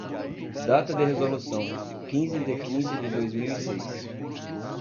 Data de resolução: quinze de quinze de dois mil e seis.